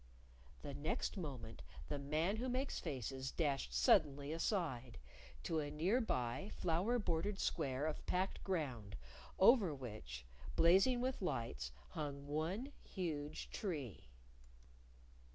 The next moment the Man Who Makes Faces dashed suddenly aside to a nearby flower bordered square of packed ground over which, blazing with lights, hung one huge tree.